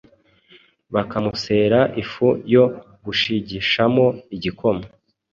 bakamusera ifu yo gushigishamo igikoma.